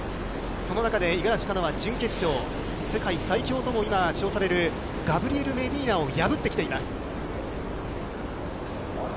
その中で五十嵐カノア、準決勝、世界最強ともいわれる今、称されるガブリエル・メディーナを今、破ってきています。